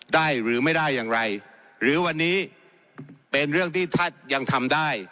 หรือไม่ได้อย่างไรหรือวันนี้เป็นเรื่องที่ท่านยังทำได้